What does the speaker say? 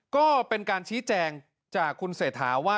ก็เป็นการชี้แจงจากคุณเศรษฐาว่า